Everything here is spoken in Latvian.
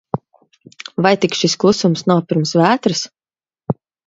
Vai tik šis klusums nav pirms vētras?